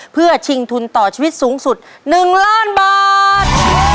เพื่อชิงทุนต่อชีวิตสูงสุด๑ล้านบาท